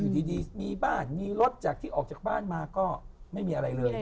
ดีมีบ้านมีรถจากที่ออกจากบ้านมาก็ไม่มีอะไรเลย